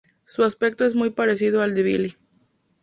Su aspecto es muy parecido al de Billy.